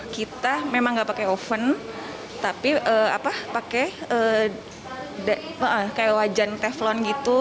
kita memang nggak pakai oven tapi pakai wajan teflon gitu